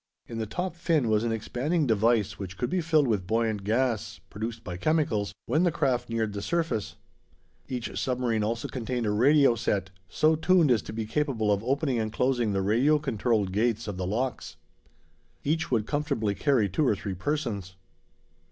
In the top fin was an expanding device which could be filled with buoyant gas, produced by chemicals, when the craft neared the surface. Each submarine also contained a radio set, so tuned as to be capable of opening and closing the radio controlled gates of the locks. Each would carry comfortably two or three persons.